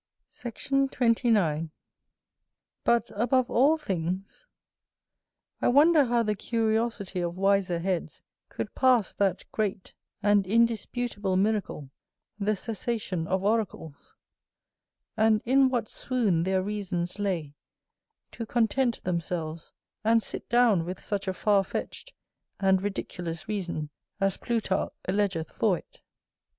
Sect. 29. But, above all things, I wonder how the curiosity of wiser heads could pass that great and indisputable miracle, the cessation of oracles; and in what swoon their reasons lay, to content themselves, and sit down with such a far fetched and ridiculous reason as Plutarch allegeth for it.